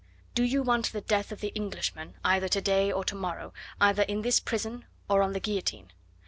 Do you want the death of the Englishman, either to day or to morrow, either in this prison or on the guillotine?